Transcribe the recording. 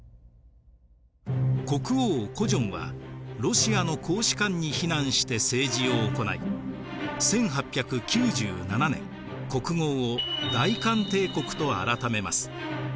国王高宗はロシアの公使館に避難して政治を行い１８９７年国号を大韓帝国と改めます。